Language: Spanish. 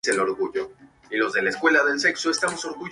El Corán oscila entre la rima y la prosa.